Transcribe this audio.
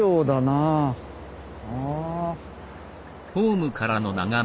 ああ。